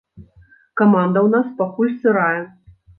Каманда ў нас пакуль сырая.